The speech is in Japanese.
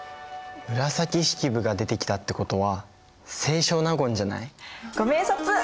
紫式部が出てきたってことは清少納言じゃない？ご明察！